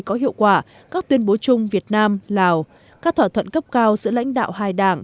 có hiệu quả các tuyên bố chung việt nam lào các thỏa thuận cấp cao giữa lãnh đạo hai đảng